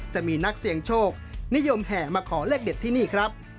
จะมีนักเสี่ยงโชคนิยมแห่มาขอเลขเด็ดที่นี่ครับ